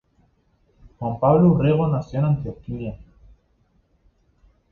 Juan Pablo Urrego nació en Antioquia.